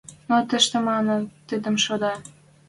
Но тышманна пӹтен шоде —